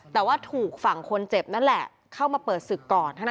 แต่ว่าถูกฝั่งคนเจ็บนั่นแหละเข้ามาเปิดศึกก่อนเท่านั้น